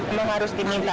emang harus diminta dulu ya